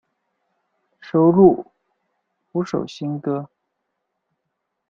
收录五首新歌。